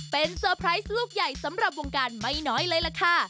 เป็นเซอร์ไพรส์ลูกใหญ่สำหรับวงการไม่น้อยเลยล่ะค่ะ